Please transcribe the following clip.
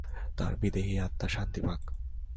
তাঁর বিদেহী আত্মা শান্তি পাক।